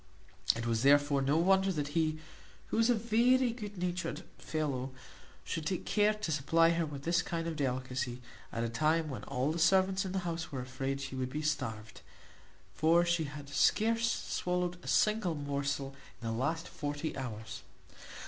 It was therefore no wonder that he, who was a very good natured fellow, should take care to supply her with this kind of delicacy, at a time when all the servants in the house were afraid she would be starved; for she had scarce swallowed a single morsel in the last forty hours.